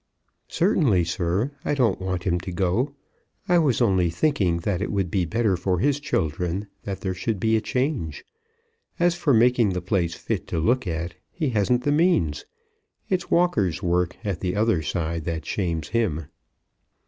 "Certainly, sir. I don't want him to go. I was only thinking it would be better for his children that there should be a change. As for making the place fit to look at, he hasn't the means. It's Walker's work, at the other side, that shames him."